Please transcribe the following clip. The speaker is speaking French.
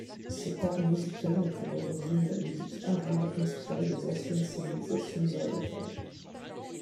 Cet art musical a pour origine la musique arabe inspirée des anciennes civilisations orientales.